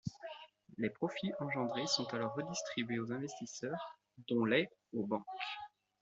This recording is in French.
Les profits engendrés sont alors redistribué aux investisseurs dont les aux banques.